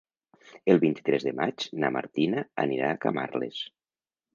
El vint-i-tres de maig na Martina anirà a Camarles.